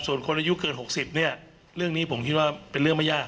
ส่วนคนอายุเกิน๖๐เรื่องนี้เพิ่มเป็นเรื่องไม่ยาก